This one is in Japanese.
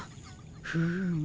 フーム。